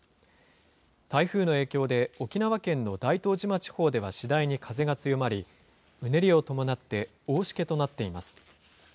台風の影響で、沖縄県の大東島地方では次第に風が強まり、うねりを伴って大しけとなっています。